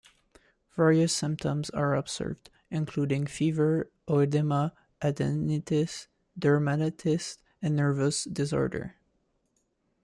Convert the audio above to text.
Various symptoms are observed, including fever, oedema, adenitis, dermatitis and nervous disorders.